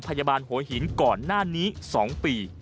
พยาบาลโหยหินก่อนหน้านี้๒ปี